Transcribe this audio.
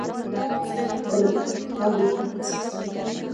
رښتیا تر درواغو ډېر ارزښت لري.